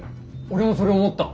俺もそれ思った。